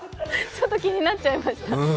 ちょっと気になっちゃいました。